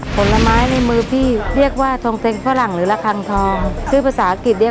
เกอร์รีเบอร์รี่ตัดทิ้งเลย